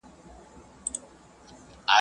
لمر د ګلانو د غوړېدو لامل ګرځي.